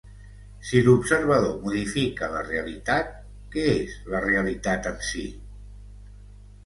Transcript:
Si l’observador modifica la realitat, què és la realitat en si?